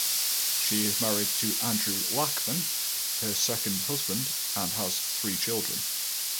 She is married to Andrew Lachman, her second husband, and has three children.